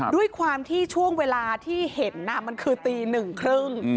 ด้วยความที่ช่วงเวลาที่เห็นมันคือตีหนึ่งครึ่ง